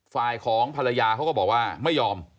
ฝ่ายของภรรยาเขาก็บอกว่าไม่ยอม